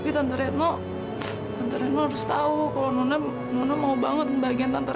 ibu ibu sebentar